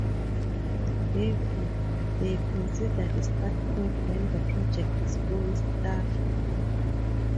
Therefore, they consider the start point when the project is fully staffed.